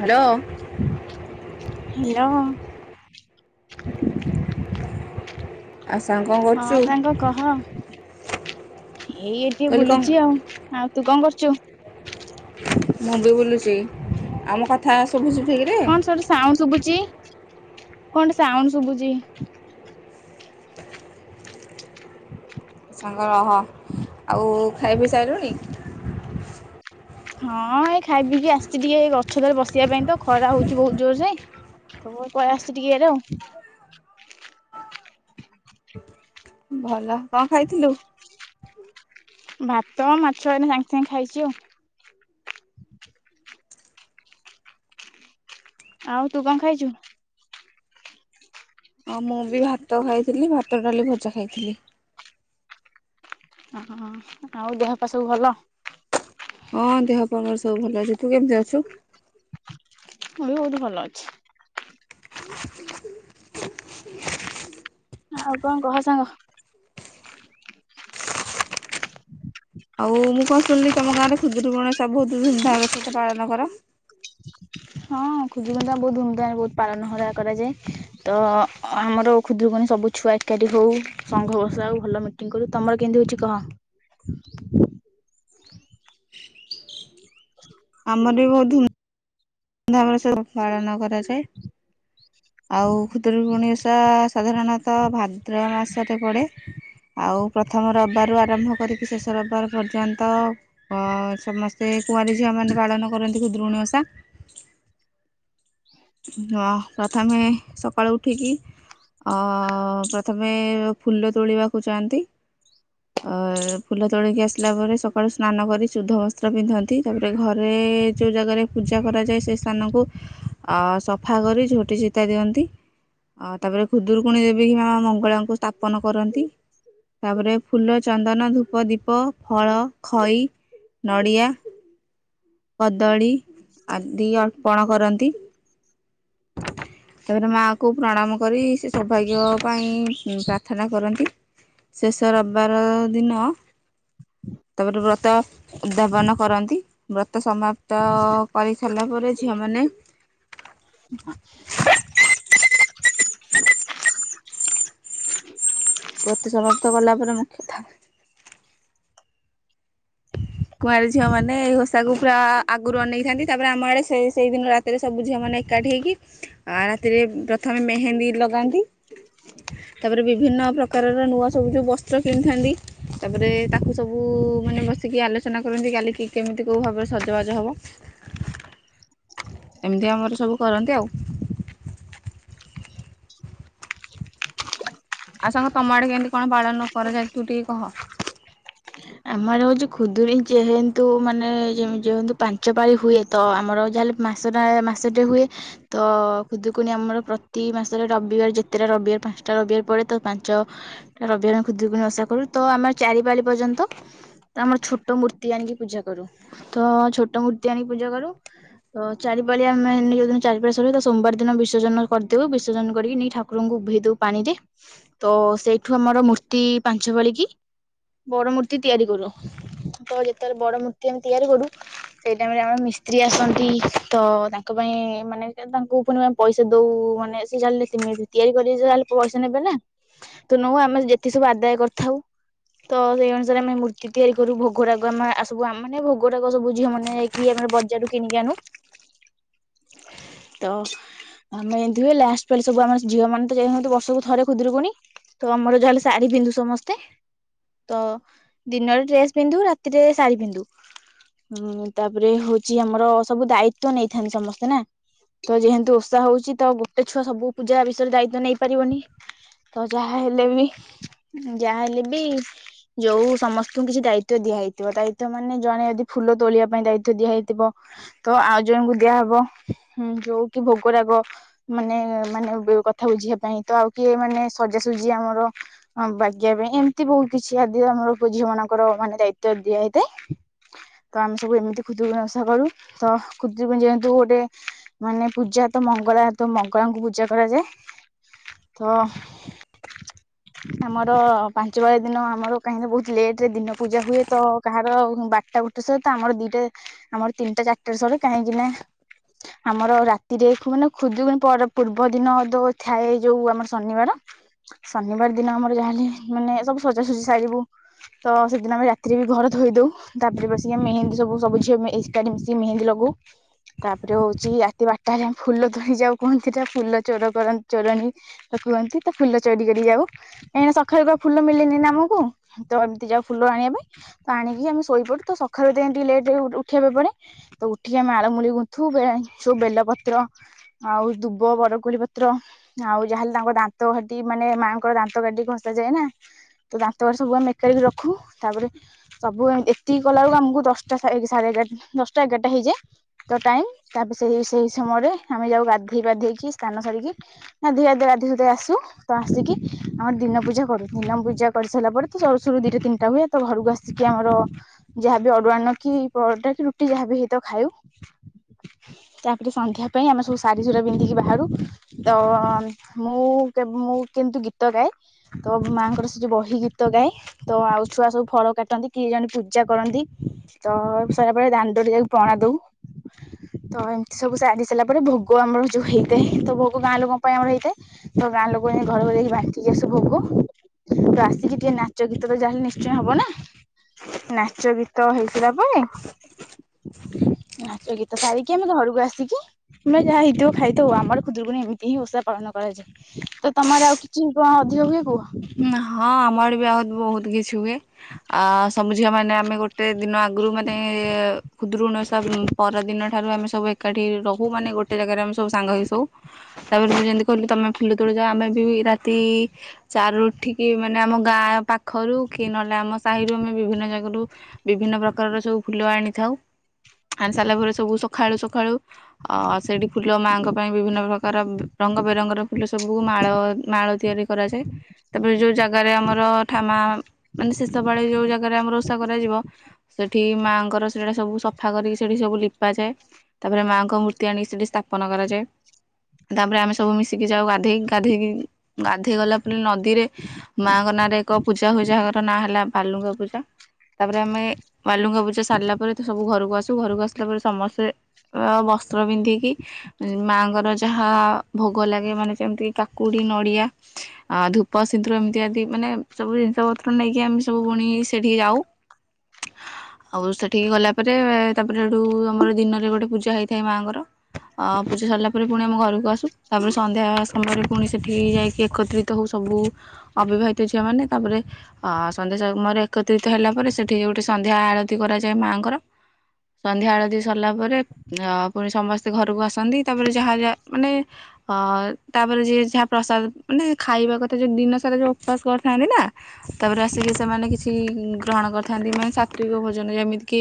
Hello. Hello. ଆ ଆଉ ସାଙ୍ଗ କଣ ହଁ କରୁଛୁ ସାଙ୍ଗ କହ। ଏଇ ଟିକେ କହିଲି କଣ ବୁଲୁଚି ଆଉ। ଆଉ ତୁ କଣ କର ଚୁ ଚି। ଆଉ ମୋ କଥା ଶୁଭୁଚି କଣ ସେଠୁ ସାଉଣ୍ଡ ଶୁଭୁଚି? କଣ୍ଟେ ସାଉଣ୍ଡ ଶୁଭୁଚି? ହ ରହ ଆଉ ଖାଇପିଇ ସାଇଲୁଣି? ହଁ ଏ ଖାଇ ପିଇକି ଆସିଚି ଟିକେ ଏଇ ଗଛ ତଳେ ବସିବା ପାଇଁ ତ ଖରା ହୋଉଚି ବୋହୁତ ଜୋରସେ। ତ ମୁଁ ପଳେଇ ଆସିଚି ଟିକେ ଇଆଡ଼େ ଆଉ। ଭଲ। କଁ ଖାଇଥିଲୁ? ଭାତ ମାଛ ଏଇନା ସାଙ୍ଗେ ସାଙ୍ଗେ ଖାଇଚି ଆଉ। ଆଉ ତୁ କଣ ଖାଇଚୁ? ହଁ ମୁଁ ବି ଭାତ ଖାଇଥିଲି ଭାତ ଡାଲି ଭଜା ଖାଇଥିଲି। ଅଁ ହଁ। ଆଉ ଦେହପା ସବୁ ଭଲ! ହଁ ଦେହ ପା ମୋର ସବୁ ଭଲ ଅଛି। ତୁ କେମିତି ଅଛୁ? ମୁଁ ବି ବୋହୁତ ଭଲ ଅଛି। [inaudible] ଆଉ କଣ କହ ସାଙ୍ଗ। ଆଉ ମୁଁ କଣ ଶୁଣିଲି ତମ ଗାଁରେ ଖୁଦୁରୁକୁଣୀ ଓଷା ବୋହୁତ ଧୁମଧାମର ସହିତ ପାଳନ କର। ହଁ ଖୁଦୁରୁକୁଣୀ ପା ବୋହୁତ ଧୁମଧାମରେ ବୋହୁତ ପାଳନ ହରା କରାଯାଏ। ତ ଆମର ଖୁଦୁରୁକୁଣୀ ସବୁ ଛୁଆ ଏକାଠି ହୋଉ ସଂଘ ବସାଉ ଭଲ ମିଟିଙ୍ଗ କରୁ। ତମର କେନ୍ତି ହୋଉଚି କହ। ଆମର ବି ବୋହୁ ଧୁମ୍ ଧୁମ୍ ଧାମ ସବୁ ପାଳନ କରାଯାଏ ଆଉ ଖୁଦୁରୁକୁଣୀ ଓଷା ସାଧାରଣତଃ ଭାଦ୍ରବ ମାସରେ ପଡ଼େ ଆଉ ପ୍ରଥମ ରବିବାରୁ ଆରମ୍ଭ କରିକି ଶେଷ ରବିବାର ପର୍ଯ୍ୟନ୍ତ ସମସ୍ତେ କୁଆଁରୀ ଝିଅମାନେ ପାଳନ କରନ୍ତି ଖୁଦୁରୁକୁଣୀ ଓଷା ହଁ ପ୍ରଥମେ ସକାଳୁ ଉଠିକି ଅ ପ୍ରଥମେ ଫୁଲ ତୋଳିବାକୁ ଯାଆନ୍ତି ଅ ଫୁଲ ତୋଳିକି ଆସିଲା ପରେ ସକାଳୁ ସ୍ନାନ କରି ଶୁଦ୍ଧ ବସ୍ତ୍ର ପିନ୍ଧନ୍ତି ତାପରେ ଘରେ ଯୋଉ ଜାଗାରେ ପୂଜା କରାଯାଏ ସେ ସ୍ଥାନ କୁ ଅ ସଫା କରି ଝୋଟି ଚିତା ଦିଅନ୍ତି ଆଉ ତାପରେ ଖୁଦୁରୁକୁଣୀ ରେ ବି ମା ମଙ୍ଗଳାଙ୍କୁ ସ୍ଥାପନ କରନ୍ତି ତାପରେ ଫୁଲ ଚନ୍ଦନ ଧୂପ ଦୀପ ଫଳ ଖଇ ନଡ଼ିଆ କଦଳୀ ଆଦି ଅର୍ପଣ କରନ୍ତି ତାପରେ ମା ଙ୍କୁ ପ୍ରଣାମ କରି ସେ ସୌଭାଗ୍ୟ ପାଇଁ ପ୍ରାର୍ଥନା କରନ୍ତି ଶେଷ ରବିବାର ଦିନ ତାପରେ ବ୍ରତ ଉଦ୍ଧାପନ କରନ୍ତି ବ୍ରତ ସମାପ୍ତ କରି ସାରିଲା ପରେ ଝିଅମାନେ [inaudible] ପ୍ରତି ସମାପ୍ତ କଲା ପରେ ମୁଖ୍ୟ ଥାଏ କୁଆଁରୀ ଝିଅ ମାନେ ଏଇ ଓଷା କୁ ପୁରା ଆଗରୁ ଅନେଇଥାନ୍ତି ତାପରେ ଆମ ଆଡେ ସେ ସେଇ ଦିନ ରାତିରେ ସବୁ ଝିଅ ମାନେ ଏକାଠି ହେଇକି ଆ ରାତିରେ ପ୍ରଥମେ ମେହେନ୍ଦୀ ଲଗାନ୍ତି। ତାପରେ ବିଭିନ୍ନ ପ୍ର ପ୍ରକାରର ନୂଆ ସବୁ ଯୋଉ ବସ୍ତ୍ର କିଣିଥାନ୍ତି ତାପରେ ତାକୁ ସବୁ ମାନେ ବ [unintelligible] ଆଲୋଚନା କରନ୍ତି କାଲି କି କେମିତି କୋଉ ଭାବରେ ସଜବାଜ ହବ ଏମିତି ଆମର ସବୁ କରନ୍ତି ଆଉ। ଆଉ ସାଙ୍ଗ ତମ ଆଡେ କେମିତି କଣ ପାଳନ କରାଯାଏ ତୁ ଟିକେ କହ? ଆମ ଆଡେ ହଉଛି ଖୁଦୁରୁକୁଣୀ ଯେହେତୁ ମାନେ ଯେ ଯେହେତୁ ପାଞ୍ଚ ପାଳି ହୁଏ ତ ଆମର ଯାହେଲେ ମାସଟା ମାସଟେ ହୁଏ ତ ଖୁଦୁରୁକୁଣୀ ଆମର ପ୍ରତି ମାସରେ ରବିବାର ଯେତେଟା ରବିବାର ପାଞ୍ଚଟା ରବିବାର ପଡ଼େ ତ ପାଞ୍ଚଟା ରବିବାର ଖୁଦୁରୁକୁଣୀ ଓଷା କରୁ ତ ଆମର ଚାରି ପାଳି ପର୍ଯ୍ୟନ୍ତ ତ ଆମର ଛୋଟ ମୂର୍ତ୍ତି ଆଣିକି ପୂଜା କରୁ ତ ଛୋଟ ମୂର୍ତ୍ତି ଆଣିକି ପୂଜା କରୁ ତ ଚାରିପାଳି ଆମେ ଯୋଉଦିନ ଚାରିପାଳି ସରିବ ତା ସୋମବାର ଦିନ ବିସର୍ଜନ କରିଦଉ ବିସର୍ଜନ କରିକି ନେଇ ଠାକୁରଙ୍କୁ ଉଭେଇ ଦଉ ପାଣିରେ ତ ସେଇଠୁ ଆମର ମୂର୍ତ୍ତି ପାଞ୍ଚ ପାଳି କି ବଡ ମୂର୍ତ୍ତ ମୂର୍ତ୍ତି ତିଆରି କରୁ ତ ଯେତେବେଳେ ବଡ ମୂର୍ତ୍ତି ଆମେ ତିଆରି କରୁ ସେଇ ଟାଇମରେ ଆମର ମିସ୍ତ୍ରୀ ଆସନ୍ତି ତ ତାଙ୍କ ପାଇଁ ମାନେ ତାଙ୍କୁ ପୁଣି ଆମେ ପଇସା ଦଉ ମାନେ ସେ ଜାଣିଲେ [inaudible] ତିଆରି କରିବେ ଯାହାଲେ ପଇସା ନେବେ ନା ତ ନଉ ଆମେ ଯେତେ ସବୁ ଆଦାୟ କରିଥାଉ ତ ସେଇ ଅନୁ ଆମେ ମୂର୍ତ୍ତି ତିଆରି କରୁ ଭୋଗରାଗ ଆମେ ସବୁ ମାନେ ଭୋଗରାଗ ସବୁ ଝିଅ ମାନେ ଯାଇକି ଆମେ ବଜାରୁ କିଣିକି ଆଣୁ ତ ଆମେ ଏମିତି ହୁଏ ଲାଷ୍ଟ ପାଳି ସବୁ ଆମ ଝିଅ ମାନେ ତ ଯାଇ ବର୍ଷକୁ ଥରେ ଖୁଦୁରୁକୁଣୀ ତ ଆମର ଯାହାଲେ ଶାଢୀ ପିନ୍ଧୁ ସମସ୍ତେ ତ ଦିନରେ ଡ୍ରେସ ପିନ୍ଧୁ ରାତିରେ ଶାଢୀ ପିନ୍ଧୁ ଉଁ ତାପରେ ହଉଛି ଆମର ସବୁ ଦାୟିତ୍ୱ ନେଇଥାନ୍ତି ସମସ୍ତେ ନା ତ ଯେହେତୁ ଓଷା ହଉଛି ତ ଗୋଟେ ଛୁଆ ସବୁ ପୂଜା ବିଷୟରେ ଦାୟିତ୍ଵ ନେଇପାରିବନି ତ ଯାହାହଲେ ବି ଯାହାହେଲେ ବି ଯୋଉ ସମସ୍ତଙ୍କୁ କିଛି ଦାୟିତ୍ୱ ଦିଆହେଇଥିବ ଦାୟିତ୍ଵ ମାନେ ଜଣେ ଯଦି ଫୁଲ ତୋଳିବା ପାଇଁ ଦାୟିତ୍ୱ ଦିଆ ହେଇଥିବ ତ ଆଉ ଜଣଙ୍କୁ ଦିଆହବ ଯୋଉ କି ଭୋଗରାଗ ମାନେ ମାନେ କଥା ବୁଝିବା ପାଇଁ ତ ଆଉ କିଏ ମାନେ ସଜାସଜି ଆମର ବାକିୟା ପାଇଁ ଏମିତି ବହୁତ କିଛି ଆଦି ଆମର ଝିଅ ମାନଙ୍କର ମାନେ ଦାୟିତ୍ୱ ଦିଆହେଇଥାଏ ତ ଆମେ ସବୁ ଏମିତି ଖୁଦୁରୁକୁଣୀ ଓଷା କରୁ ତ ଖୁଦୁରୁକୁଣୀ ଯେହେତୁ ଗୋଟେ ମାନେ ପୂଜା ତ ମଙ୍ଗଳା ତ ମଙ୍ଗଳାଙ୍କୁ ପୂଜା କରାଯାଏ ତ ଆମର ପାଞ୍ଚ ପାଳି ଦିନ ଆମର କାହିଁକି ବହୁତ ଲେଟ ରେ ଦିନ ପୂଜା ହୁଏ ତ କାହାର ବାରଟା ଗୋଟେ ସହିତ ଆମର ଦିଟା ଆମର ତିନଟା ଚାର ପୂଜା ସରେ କାହିଁକି ନା ଆମର ରାତିରେ [inaudible] ମାନେ ଖୁଦୁରୁକୁଣୀ ମାନେ ପୂର୍ବ ଦିନ ଯୋଉ ଥାଏ ଯୋଉ ଆମର ଶନିବାର ଶନିବାର ଦିନ ଆମର ଯାହେଲେ ମାନେ ସବୁ ସଜା ସଜା ସଜି ସାରିବୁ ତ ସେଦିନ ଆମେ ରାତିରେ ବି ଘର ଧୋଇ ଦଉ ତାପରେ ବସିକି ଆମେ ମେହେନ୍ଦି ସବୁ ସବୁ ଝିଅ ମେ ଏକାଠି ମିଶିକି ମେହେନ୍ଦି ଲଗାଉ, ତାପରେ ହଉଛି ରାତି ବାରଟା ହେଲେ ଆମେ ଫୁଲ ତୋଳି ଯାଉ କୁହନ୍ତି ତ ଫୁଲ ଚୋର କରନ୍ ଚୋରଣୀ କୁହନ୍ତି ତ ଫୁଲ ଚୋରି କରିଯାଉ କାହିଁକି ନା ସକାଳୁ ଆଉ ଫୁଲ ମିଳେନି ନା ହଁ ପା ତ ଏମିତି ଯାଉ ଫୁଲ ଆଣିବା ପାଇଁ ତ ଆଣିକି ଆମେ ଶୋଇପଡୁ ତ ସକାଳୁ ଟିକେ ଟିକେ ଲେଟ୍ ରେ ବି ଉଠ ଉଠିବାକୁ ପଡେ ତ ଉଠିକି ଆମେ ମାଳମୂଳି ଗୁନ୍ଥୁ [unintelligible] ସବୁ ବେଲ ପତ୍ର ଆଉ ଦୁବ ବରକୋଳି ପତ୍ର ଆଉ ଯାହାହେଲେ ତାଙ୍କ ଦାନ୍ତ କାଠି ମାନେ ମାଆଙ୍କର ଦାନ୍ତ କାଠି ଘସାଯାଏ ନା ତ ଦାନ୍ତ କାଠି ସବୁ ଆମେ ଏକାଠି କରି ରଖୁ ତାପରେ ସବୁ ଏତିକି କଲା ବେଳକୁ ଆମକୁ ଦଶଟା ସା ଏଗ ସାଢ଼େ ଏଗାରଟା ଦଶଟା ଏଗାରଟା ହେଇଯାଏ ତ ଟାଇମ ତାପରେ ସେଇ ସେହି ସମୟରେ ଆମେ ଯାଉ ଗାଧେଇ ପାଧେଇକି ସ୍ନାନ ସାରିକି ଗାଧୋଇ ଗାଧୋଇ ଗାଧୋଇଧୋଇ ଆସୁ ତ ଆସିକି ଆମର ଦିନ ପୂଜା କରୁ ଦିନ ପୂଜା କରିସାରିଲା ପରେ ତ ସରୁ ସରୁ ଦିଟା ତିନିଟା ହୁଏ ତ ଘରକୁ ଆସିକି ଆମର ଯାହାବି ଅରୁଆ ଅନ୍ନ କି ପରଟା କି ରୁଟି ଯାହାବି ହେଇଥାଉ ଖାଉ ତାପରେ ସନ୍ଧ୍ୟା ପାଇଁ ଆମେ ସବୁ ଶାଢୀ ଶୁଢା ପିନ୍ଧିକି ବାହାରୁ ତ ମୁଁ କେବ ମୁଁ କିନ୍ତୁ ଗୀତ ଗାଏ ତ ମାଙ୍କର ଯୋଉ ବହି ଗୀତ ଗାଏ ତ ଆଉ ଛୁଆ ସବୁ ଫଳ କାଟନ୍ତି କି ଜଣେ ପୂଜା କରନ୍ତି ତ ସରିଲା ପରେ ଦାଣ୍ଡରେ ଯାଉ ପଣା ଦଉ ତ ଏମିତି ସବୁ ସାରି ସାରିଲା ପରେ ଭୋଗ ଆମର ଯୋଉ ହେଇଥାଏ ତ ଭୋଗ ଗାଁ ଲୋକଙ୍କ ପାଇଁ ଆମର ହେଇଥାଏ ତ ଗାଁ ଲୋକ ଯାଇ ଘରେ ଘରେ ଯାଇକି ବାଣ୍ଟିକି ଆସୁ ଭୋଗ ତ ଆସିକି ଟିକେ ନାଚ ଗୀତ ତ ଯାହା ହେଲେ ନିଶ୍ଚୟ ହବ ନା ନାଚ ଗୀତ ହେଇସାରିଲା ପରେ ନାଚ ଗୀତ ସାରିକି ଆମେ ଘରକୁ ଆସିକି ପା ଯାହା ହେଇଥିବ ଖାଇଥଉ ଆମର ଖୁଦୁରୁକୁଣି ଏମିତି ହିଁ ଓଷା ପାଳନ କରାଯାଏ ଓ ତମର ଆଉ କିଛି କଣ ଅଧିକ ହୁଏ? କୁହ ହଁ ଆମ ଆଡ଼େ ବି ଆହୁରି ବହୁତ କିଛି ହୁଏ ଅ ସମ ଝିଅ ମାନେ ଆମେ ଗୋଟ ଗୋଟେ ଦିନ ଆଗରୁ ମାନେ ଅ ଖୁଦୁରୁକୁଣି ଓଷା ପରଦିନ ଠାରୁ ଆମେ ସବୁ ଏକାଠି ରହୁ ମାନେ ଗୋଟେ ଜାଗାରେ ଆମେ ସବୁ ସାଙ୍ଗ ହେଇ ଶୋଉ ତାପରେ ତୁ ଯେମିତି କହିଲୁ ତମେ ଫୁଲ ତୋଳି ଯାଉ ଆମେ ବି ରାତି [unintelligible] ଚାର ରୁ ଉଠିକି ମାନେ ଆମ ଗାଁ ପାଖ ପାଖରୁ କି ନହେଲେ ଆମ ସାହିରୁ ଆମେ ବିଭିନ୍ନ ଜାଗାରୁ ବିଭିନ୍ନ ପ୍ରକାରର ସବୁ ଫୁଲ ଆଣି ଉଠାଉ ଆଣି ସାରିଲା ପରେ ସବୁ ସଖାଳୁ ସବ୍ ସକାଳୁ ଅ ସେଇଠି ଫୁଲ ମାଙ୍କ ପାଇଁ ବିଭିନ୍ନ ପ୍ରକାର ରଙ୍ଗ ବେରଙ୍ଗର ଫୁଲ ସବୁକୁ ମାଳ ମାଳ ତିଆରି କରାଯାଏ ତାପରେ ଯୋଉ ଜାଗାରେ ଆମର ଠାମା ମାନେ ଶେଷ ବାଳେ ଯ-ଉ ଜାଗାରେ ଆମର ଓଷା କରାଯିବ ସେଠି ମାଆଙ୍କର ସୋ ଆ ସବୁ ସଫା କରିକି ସେଠି ସବୁ ଲିପାଯାଏ। ତାପରେ ମାଙ୍କ ମୂର୍ତ୍ତି ଆଣିକି ସେଠି ସ୍ଥାପନ କରାଯାଏ। ତାପରେ ଆମେ ସବୁ ମିଶି ଇ ଯାଉ ଗାଧେଇ ଗାଧେଇକି ଗାଧେଇ ଗଲା ନଦୀରେ ମାଙ୍କ ନାଁରେ ଏକ ପୂଜା ହୁଏ ଯାହାଙ୍କର ନାଁ ହେଲା ବାଲୁଙ୍ଗା ପୂଜା। ତାପରେ ଆମେ ବାଲୁଙ୍ଗା ପୂଜା ସାରିଲା ପରେ ତ ସବୁ ଘରୁକୁ ଆସୁ ଘରୁକୁ ଆସିଲା ପରେ ସମସ୍ତେ ଅ ବସ୍ତ୍ର ପିନ୍ଧିକି ମାଙ୍କର ଯାହା ଭୋଗ ଲାଗେ ମାନେ ଯେମତି କାକୁଡ଼ି ନଡ଼ିଆ ଆ ଧୂପ ସିନ୍ଦୁର ଏମିତି ଆଦି ମାନେ ସବୁ ଜିନିଷ ପତ୍ର ନେଇକି ଆମେ ସବୁ ପୁଣି ସେଠିକି ଯାଉ। ଆଉ ସେଠିକି ଗଲା ପରେ ତାପରେ ସେଠୁ ଆମର ଦିନରେ ଗୋଟେ ପୂଜା ହେଇଥାଏ ମାଆଙ୍କର। ଅ ପୂଜା ସରିଲା ପରେ ପୁଣି ଆମ ଘରୁକୁ ଆସୁ ତାପରେ ସନ୍ଧ୍ୟା ସମୟରେ ପୁଣି ସେଠି ଯାଇକି ଏକତ୍ରି ତ ହୋଉ ସବୁ ଅବିବାହିତ ଝିଅ ମାନେ ତାପରେ ଅ ସନ୍ଧ୍ୟା ସମୟରେ ଏକତ୍ରିତ ହେଲା ପରେ ସେଠି ଗୋଟେ ସନ୍ଧ୍ୟା ଆଳତି କରାଯାଏ ମାଙ୍କର। ସନ୍ଧ୍ୟା ଆଳତି ସରିଲା ପରେ ଅ ପୁଣି ସମସ୍ତେ ଘରୁକୁ ଆସନ୍ତି ତାପରେ ଯାହା ଯା ମାନେ ଅ ତାପରେ ଯିଏ ଯାହା ପ୍ରସାଦ ମାନେ ଖାଇବା କଥା ଯୋଉ ଦିନ ସାରା ଯୋଉ ଓପାସ କରିଥାନ୍ତି ନାଁ ତାପରେ ଆସିକି ସେମାନେ କିଛି ଗ୍ରହଣ କରିଥାନ୍ତି ମାନେ ସାତ୍ଵିକ ଭୋଜନ ଯେମିତି କିି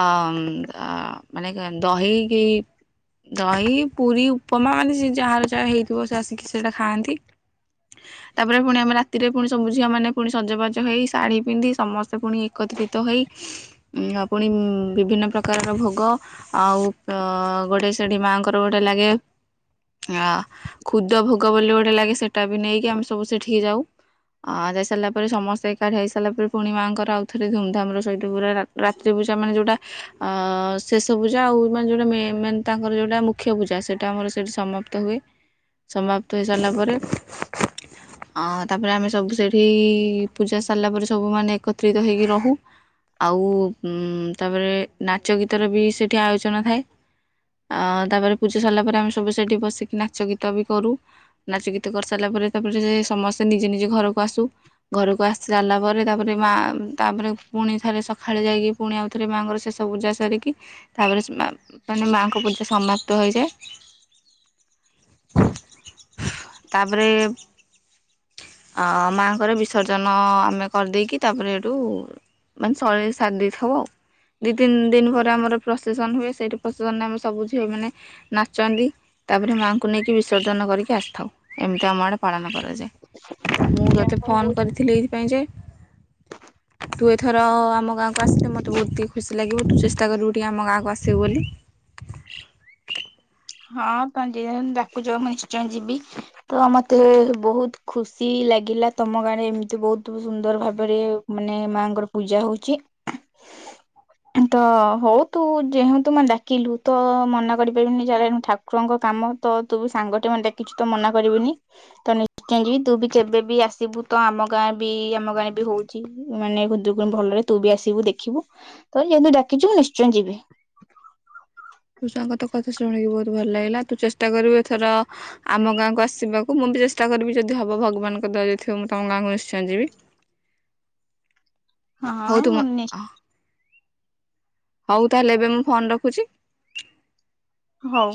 ଅ ଅ ମାନେ ଦହି କି ଦହି ପୁରୀ ଉପମା ଏନ୍ତି ସେ ଯାହାର ଯହା ହେଇଥିବ ସେ ଆସିକି ସେଇଟା ଖାଆନ୍ତି। ତାପରେ ଫୁଣି ଆମେ ରାତିରେ ପୁଣି ସବୁ ଝିଅମାନେ ପୁଣି ସଜବାଜ ହେଇ ଶାଢୀ ପିନ୍ଧି ସମସ୍ତ ପୁଣି ଏକତ୍ରିତ ହୋଇ ଉଁ ପୁଣି ବିଭିନ୍ନ ପ୍ରକାରର ଭୋଗ ଆଉ ଅ ଗୋଟେ ସେଠି ମାଙ୍କର ଗୋଟେ ଲାଗେ ଅ ଖୁଦ ଭୋଗ ବୋଲି ଗୋଟେ ଲାଗେ ସେ ସେଟା ବି ନେଇକି ଆମେ ସବୁ ସେଠିକି ଯାଉ। ଆ ଯାଇସାରିଲା ପରେ ସମସ୍ତେ ଏକାଠି ହେଇସାରିଲା ପରେ ପୁଣି ମାଆଙ୍କର ଆଉଥରେ ଧୁମଧାମର ସହିତ ପୁରା ରା ରାତ୍ରି ପୂଜା ମାନେ ଯୋଉଟା ଶେଷ ପୂଜା ଆଉ ମାନେ ଯେଉଟା ମେଁ ତାଙ୍କର ଯୋଉଟା ମୁଖ୍ୟ ପୂଜା ସେଟା ଆମର ସେଇଠି ସମାପ୍ତ ହୁଏ। ସମାପ୍ତ ହେଇସାରିଲା ପରେ ଅଁ ତାପରେ ଆମେ ସବୁ ସେଠି ପୂଜା ସାରିଲା ପରେ ସବୁ ମାନେ ଏକତ୍ରିତ ହେଇକି ରହୁ ଆଉ ଉଁ ତାପରେ ନାଚ ଗୀତର ବି ସେଠି ଆୟୋଜନ ଥାଏ। ଅ ତାପରେ ପୂଜା ସରିଲା ପରେ ଆମେ ସବୁ ସେଠି ବସିକି ନାଚ ଗୀତ ବି କରୁ ନାଚ ଗୀ ତ କରିସାଇଲା ପରେ ତାପରେ ସମସ୍ତେ ନିଜ ନିଜ ଘରୁକୁ ଆସୁ। ଘରୁକୁ ଆସି ସାରିଲା ପରେ ତାପରେ ମା ତାପରେ ପୁଣି ଥରେ ସଖାଳୁ ଯାଇକି ପୁଣି ଆଉଥରେ ମାଙ୍କର ଶେଷ ପୂଜା ସାରିକି ତାପରେ ସ୍ ମା ମାନେ ମାଙ୍କ ପୂଜା ସମାପ୍ତ ହୋଇଯାଏ। ତାପରେ ଅ ମାଙ୍କର ବିସର୍ଜନ ଆମେ କରିଦେଇକି ତାପରେ ହେଟୁ ମାନେ ସଅଳରେ ସାରି ଦେଇଥାଉ ଆଉ। ଦି ତିନି ଦିନି ପରେ ଆମର ପ୍ରସେସନ ହୁଏ। ସେଇଠି ପ୍ରସେସନରେ ଆମେ ସବୁ ଝିଅମାନେ ନାଚନ୍ତି। ତାପରେ ମାଆଙ୍କୁ ନେଇକି ବିସର୍ଜନ କରିକି ଆସିଥାଉ। ଏମିତି ଆମ ଆଡ଼େ ପାଳନ କରାଯାଏ। ମୁଁ ଯାହା ତତେ ହଉ ଫୋନ୍ ବହୁତ କରିଥିଲି ଏଇଥିପାଇଁ ଯେ ତୁ ଏଥର ଆମ ଗାଁକୁ ଆସିଲେ ମତେ ବୋହୁତ ଟିକେ ଖୁସି ଲାଗି ରୁ ତୁ ଚେଷ୍ଟା କରିବୁ ଟିକେ ଆମ ଗାଁକୁ ଆସିବୁ ବୋଲି। ହଁ ତମେ ଯିଏ ହେନେ ଡାକୁଚ ମୁଁ ନିଶ୍ଚୟ ଯିବି ତ ମତେ ଏବେ ବୋହୁତ ଖୁସି ଲାଗିଲା ତମ ଗାଁରେ ଏମିତି ବୋହୁତ ସୁନ୍ଦର ଭାବରେ ମାନେ ମାଙ୍କର ପୂଜା ହୋଉଚି। ତ ହଉ ତୁ ଯେହେତୁ ମତେ ଡାକିଲୁ ତ ମନା କରିପାରିବିନି ଯୁହାର ହେନେ ଠାକୁରଙ୍କ କାମ ତ ତୁ ସାଙ୍ଗଟେ ମାତେ ଡାକିଚୁ ତ ମନା କରିବୁନି। ତ ନିଶ୍ଚୟ ଯିବି ତୁ ବି କେବେ ବି ଆସିବୁ ତ ଆମ ଗାଁ ବି ଆମ ଗାଁରେ ବି ହୋଉଚି ମାନେ ଖୁଦୁରୁକୁଣୀ ଭଲରେ ତୁ ବି ଆସିବୁ ଦେଖିବୁ ତ ଯେହେତୁ ଡାକିଚୁ ମୁଁ ନିଶ୍ଚୟ ଯିବି। ହୋଉ ସାଙ୍ଗ ତୋ କଥା ଶୁଣିକି ବୋହୁତ ଭଲ ଲାଗିଲା। ତୁ ଚେଷ୍ଟା କରିବୁ ଏଥର ଆମ ଗାଁକୁ ଆସିବାକୁ ମୁଁ ବି ଚେଷ୍ଟା କରିବି ଯଦି ହବ ଭଗବାନଙ୍କ ଦୟା ଯଦି ଥିବ ମୁଁ ତମ ଗାଁକୁ ନିଶ୍ଚୟ ଯିବି। ହଉ ହଁ ତୁମ ମୁଁ ନିଶ୍ ହଉ ତାହେଲେ ଏବେ ମୁଁ ଫୋନ ରଖୁଚି। ହଉ।